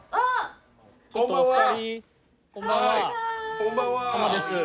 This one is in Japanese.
こんばんは。